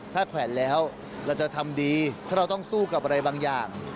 ถ้าแขวนแล้วเราจะทำดีถ้าเราต้องสู้กับอะไรบางอย่าง